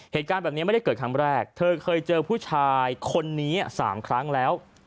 เหตุการณ์แบบนี้ไม่ได้เกิดครั้งแรกเธอเคยเจอผู้ชายคนนี้๓ครั้งแล้ว